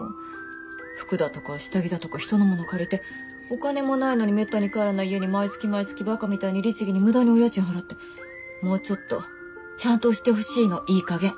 服だとか下着だとか人のもの借りてお金もないのにめったに帰らない家に毎月毎月バカみたいに律儀に無駄にお家賃払ってもうちょっとちゃんとしてほしいのいいかげん。